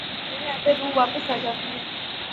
میرے اندر روح واپس آ جاتی ہے ۔